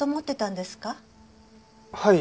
はい。